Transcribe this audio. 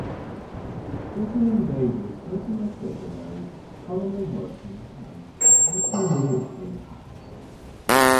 President Davis' personal secretary, Colonel Burton Harrison, also lived in the house.